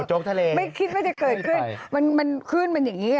ทะเลไม่คิดว่าจะเกิดขึ้นมันมันขึ้นมันอย่างนี้